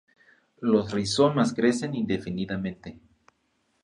Los rizomas crecen indefinidamente.